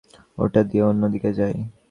ওটা দিয়ে অন্য দিকে যায়।